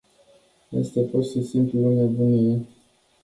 Este pur și simplu o nebunie.